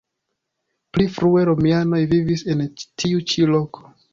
Pli frue romianoj vivis en tiu ĉi loko.